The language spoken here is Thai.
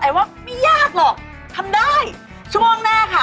แต่ว่าไม่ยากหรอกทำได้ช่วงหน้าค่ะ